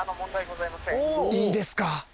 いいですか？